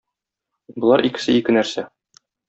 Болар икесе ике нәрсә.